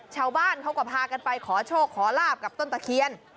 ชาวบ้านเขาก็พากันไปขอโชคขอลาบกับต้นตะเคียน